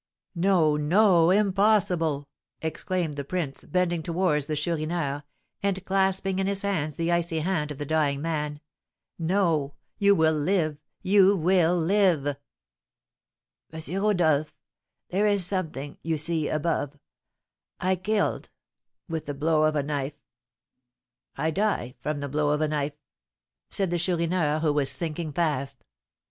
"No, no! Impossible!" exclaimed the prince, bending towards the Chourineur, and clasping in his hands the icy hand of the dying man, "no you will live you will live!" "M. Rodolph, there is something, you see, above I killed with a blow of a knife I die from the blow of a knife!" said the Chourineur, who was sinking fast.